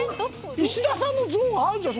石田さんの像があるじゃん